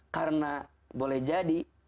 karena boleh jadi